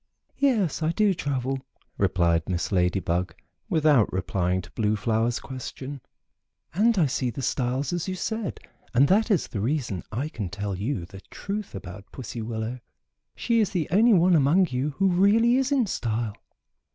"Yes, I do travel," replied Miss Lady Bug, without replying to Blue Flower's question, "and I see the styles, as you said, and that is the reason I can tell you the truth about Pussy Willow. She is the only one among you who really is in style."